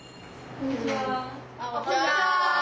こんにちは。